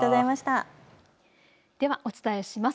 では、お伝えします。